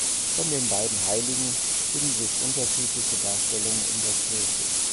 Von den beiden Heiligen finden sich unterschiedliche Darstellungen in der Kirche.